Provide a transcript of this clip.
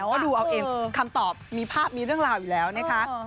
ก็ดูเอาเองคำตอบมีภาพมีเรื่องราวอยู่แล้วนะคะ